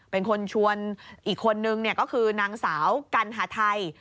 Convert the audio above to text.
เป็นคนชวนอีกคนนึงก็คือนางสาวกัณหาไทย